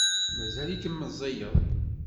Mazal-ikem meẓẓiyeḍ.